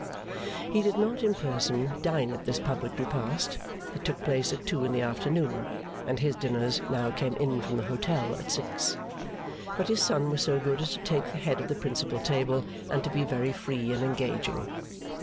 He did not in person dine at this public repast (it took place at two in the afternoon, and his dinners now came in from the hotel at six), but his son was so good as to take the head of the principal table, and to be very free and engaging.